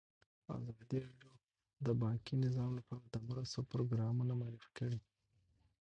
ازادي راډیو د بانکي نظام لپاره د مرستو پروګرامونه معرفي کړي.